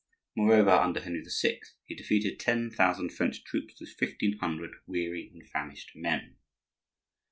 Moreover, under Henry VI. he defeated ten thousand French troops with fifteen hundred weary and famished men.